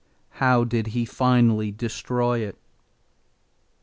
How did he finally destroy it?